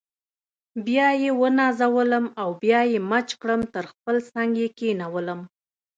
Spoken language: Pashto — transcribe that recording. بیا یې ونازولم او بیا یې مچ کړم تر خپل څنګ یې کښېنولم.